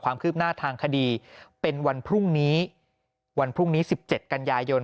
ความคืบหน้าทางคดีเป็นวันพรุ่งนี้วันพรุ่งนี้๑๗กันยายน